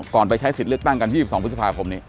ไปใช้สิทธิ์เลือกตั้งกัน๒๒พฤษภาคมนี้